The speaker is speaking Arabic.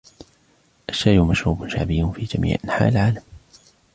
الشاي مشروب شعبي في جميع أنحاء العالم.